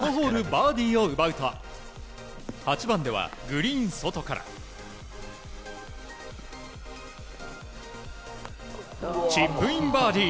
このホールバーディーを奪うと８番ではグリーン外からチップインバーディー。